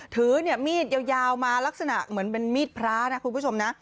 ถือมีดยาวมาลักษณะเหมือนเป็นมีดพระนะคุณผู้ชมนะ